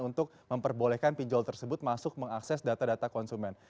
untuk memperbolehkan pinjol tersebut masuk mengakses data data konsumen